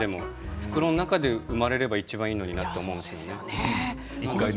袋の中で産まれればいちばんいいのになと思うんですけれども。